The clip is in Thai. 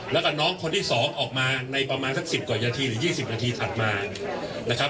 แล้วก็น้องคนที่๒ออกมาในประมาณสัก๑๐กว่านาทีหรือ๒๐นาทีถัดมานะครับ